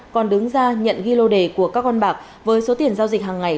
còn đứng ra nhận ghi lô đề của các con bạc với số tiền giao dịch hàng ngày